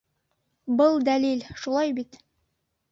Был дәлил, шулай бит?